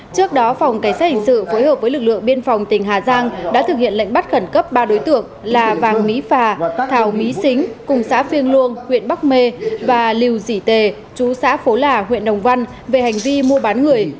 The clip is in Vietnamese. trước đó phòng cảnh sát hình sự phối hợp với lực lượng biên phòng tỉnh hà giang đã thực hiện lệnh bắt khẩn cấp ba đối tượng là vàng mỹ phà thảo mỹ xính cùng xã phiêng luông huyện bắc mê và liều dỉ tề chú xã phố là huyện đồng văn về hành vi mua bán người